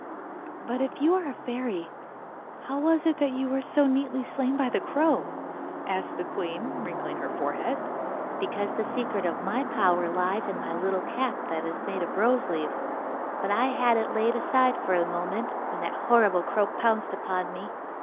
'But if you are a fairy, how was it that you were so nearly slain by the crow?' said the queen, wrinkling her forehead. 'Because the secret of my power lies in my little cap that is made of rose leaves; but I had laid it aside for the moment, when that horrible crow pounced upon me.